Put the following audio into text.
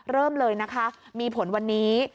เริ่มเลยนะคะมีผลวันนี้